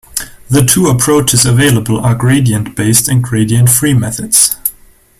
The two approaches available are gradient-based and gradient-free methods.